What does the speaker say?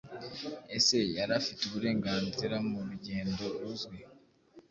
Ese yari afite uburenganziram urugendoruzwi